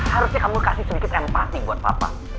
harusnya kamu kasih sedikit empati buat papa